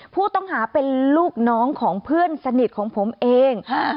ผู้ต้องหาเป็นลูกน้องของเพื่อนสนิทของผมเอง